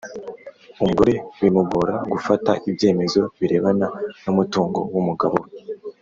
umugore bimugora gufata ibyemezo birebana n’umutungo w’umugabo we.